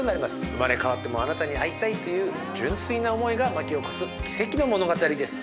生まれ変わってもあなたに会いたいという純粋な思いが巻き起こす奇跡の物語です。